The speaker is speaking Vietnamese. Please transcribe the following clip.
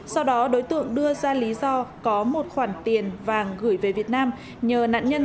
sau đó đối tượng đưa ra lý do có một khoản tiền vàng gửi về việt nam nhờ nạn nhân